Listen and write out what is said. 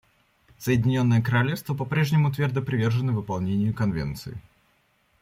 Соединенное Королевство по-прежнему твердо привержено выполнению Конвенции.